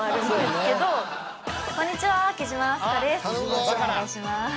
よろしくお願いします。